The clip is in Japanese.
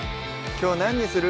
きょう何にする？